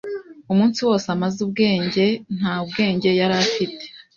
Umunsi wose amaze ubwenge nta ubwenge yari afite.